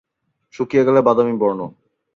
শুকিয়ে গেলে বাদামি বর্ণ।